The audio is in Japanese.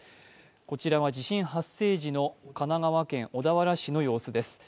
こちらは地震発生時の神奈川県小田原市の様子です。